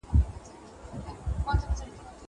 هغه څوک چي مړۍ خوري روغ وي!!